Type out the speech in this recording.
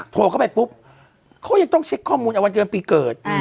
โทรเข้าไปปุ๊บเขายังต้องเช็คข้อมูลเอาวันเดือนปีเกิด